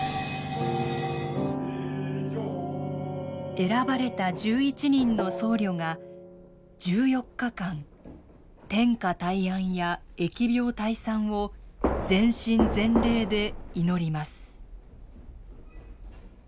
選ばれた１１人の僧侶が１４日間天下泰安や疫病退散を全身全霊で祈ります。